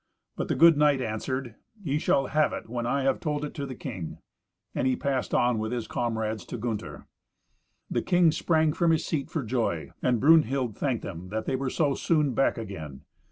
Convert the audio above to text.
But the good knight answered, "Ye shall have it when I have told it to the king." And he passed on with his comrades to Gunther. The king sprang from his seat for joy, and Brunhild thanked them that they were so soon back again.